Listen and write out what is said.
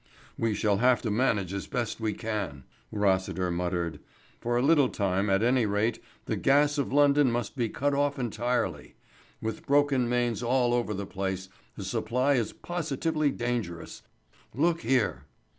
"We shall have to manage as best we can," Rossiter muttered. "For a little time, at any rate, the gas of London must be cut off entirely. With broken mains all over the place the supply is positively dangerous. Look here."